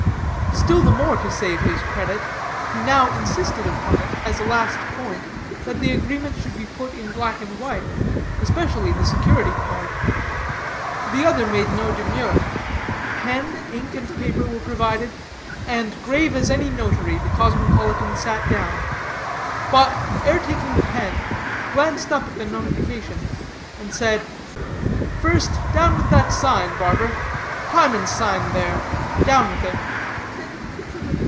Still the more to save his credit, he now insisted upon it, as a last point, that the agreement should be put in black and white, especially the security part. The other made no demur; pen, ink, and paper were provided, and grave as any notary the cosmopolitan sat down, but, ere taking the pen, glanced up at the notification, and said: "First down with that sign, barber Timon's sign, there; down with it."